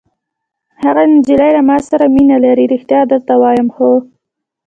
هغه نجلۍ له ما سره مینه لري! ریښتیا درته وایم. هو.